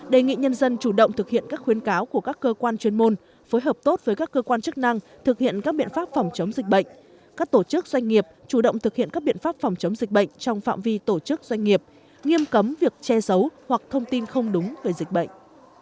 đề nghị nhân dân chủ động thực hiện các khuyến cáo của các cơ quan chuyên môn phối hợp tốt với các cơ quan chức năng thực hiện các biện pháp phòng chống dịch bệnh các tổ chức doanh nghiệp chủ động thực hiện các biện pháp phòng chống dịch bệnh trong phạm vi tổ chức doanh nghiệp nghiêm cấm việc che giấu hoặc thông tin không đúng về dịch bệnh